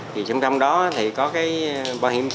thì trong đó thì có cái bảo hiểm xã hội